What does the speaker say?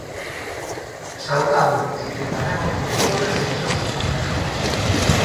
Saudámolos, e tamén aos profesores e aos seus acompañantes.